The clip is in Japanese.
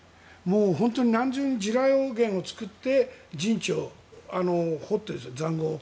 本当に何重に地雷原を作って陣地を掘って、塹壕を。